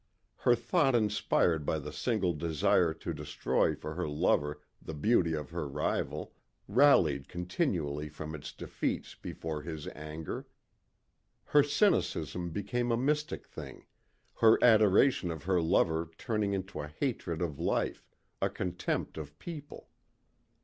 Her thought inspired by the single desire to destroy for her lover the beauty of her rival, rallied continually from its defeats before his anger. Her cynicism became a mystic thing her adoration of her lover turning into a hatred of life, a contempt of people.